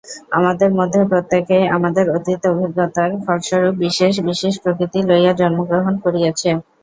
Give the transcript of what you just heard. আমাদের মধ্যে প্রত্যেকেই আমাদের অতীত অভিজ্ঞতার ফলস্বরূপ বিশেষ বিশেষ প্রকৃতি লইয়া জন্মগ্রহণ করিয়াছি।